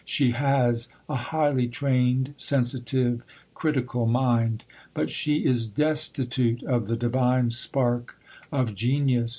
She has a highly trained, sensitive, critical mind, but she is destitute of the divine spark of genius.